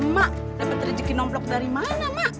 mak dapat rezeki nomplok dari mana mak